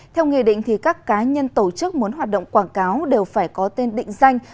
theo nghị định các cá nhân tổ chức muốn hoạt động quảng cáo đều phải có tên định danh